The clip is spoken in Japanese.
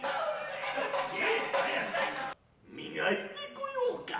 磨いて来ようか。